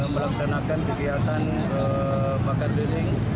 melaksanakan kegiatan makan deling